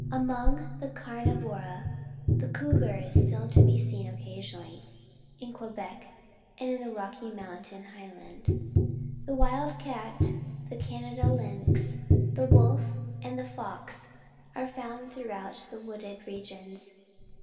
Among the carnivora, the cougar is still to be seen occasionally in Quebec and in the Rocky Mountain High land. The mid cat , the Canada Utix, the wolf, and the fox are found throughout the wooded regions.